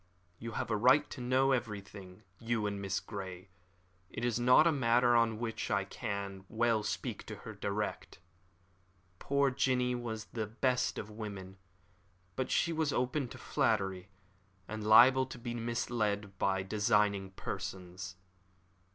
"You have a right to know everything you and Miss Grey. It is not a matter on which I can well speak to her direct. Poor Jinny was the best of women, but she was open to flattery, and liable to be misled by designing persons.